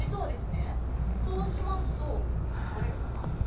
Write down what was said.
実はですね、そうしますと、流れるかな？